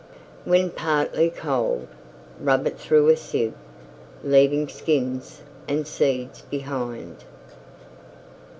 When partly cold rub it through a sieve, leaving skins and seeds behind.